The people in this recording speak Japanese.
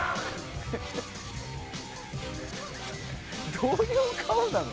どういう顔なの。